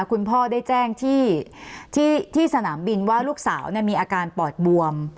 คุณพ่อได้แจ้งที่สนามบินว่าลูกสาวมีอาการปอดบวม